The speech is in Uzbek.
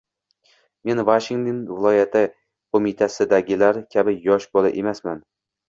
Men Vashington viloyat qo‘mitasidagilar kabi yosh bola emasman